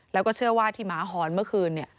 แล้วก็เชื่อว่าที่หมาหอนเมื่อคืน